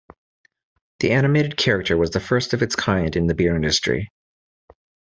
The animated character was the first of its kind in the beer industry.